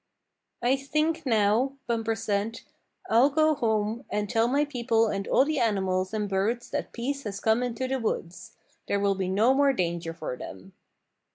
"I think now," Bumper said, "I'll go home and tell my people and all the animals and birds that peace has come into the woods. There will be no more danger for them."